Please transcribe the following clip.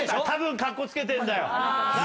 たぶんカッコつけてんだよ。